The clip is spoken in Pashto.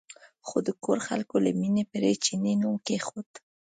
خو د کور خلکو له مینې پرې چیني نوم کېښود.